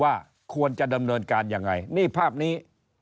ว่าควรจะดำเนินการยังไงนี่ภาพนี้